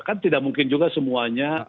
kan tidak mungkin juga semuanya